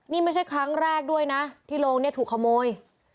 นี่ไม่ใช่ครั้งแรกด้วยนะที่โรงเนี่ยถูกขโมย